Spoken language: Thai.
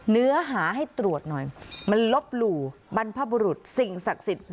เนื้อหาให้ตรวจหน่อยมันลบหลู่บรรพบุรุษสิ่งศักดิ์สิทธิ์